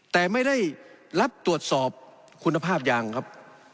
แต่ไม่ได้รับตรวจสอบคุณภาพยางครับ